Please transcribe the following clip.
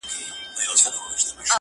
زه ستړی، ته ناراضه.